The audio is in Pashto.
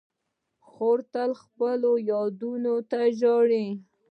خور تل خپلو یادونو ته ژاړي.